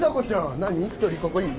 なに一人ここいい？